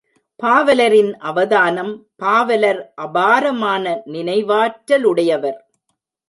பாவலரின் அவதானம் பாவலர் அபாரமான நினைவாற்றலுடையவர்.